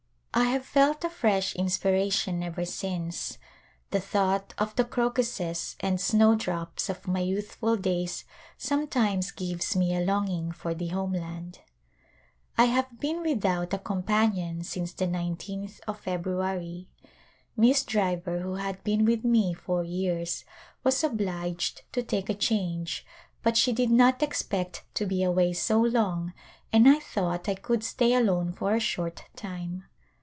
I have felt a fresh inspira tion ever since ; the thought of the crocuses and snowdrops of my youthful days sometimes gives me a longing for the homeland. I have been without a companion since the 19th of February. Miss Driver who had been with me four years was obliged to take a change but she did not expect to be away so long and I thought I could stay alone for a short time.